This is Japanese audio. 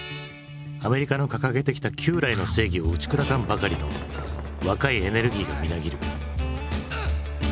アメリカの掲げてきた旧来の正義を打ち砕かんばかりの若いエネルギーでみなぎる。